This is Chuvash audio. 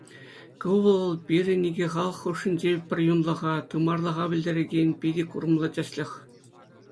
Ку вӑл пирӗн икӗ халӑх хушшинчи пӗрюнлӑха, тымарлӑха пӗлтерекен питӗ курӑмлӑ тӗслӗх.